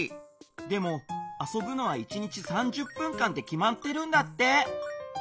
でもあそぶのは１日３０分間ってきまってるんだって。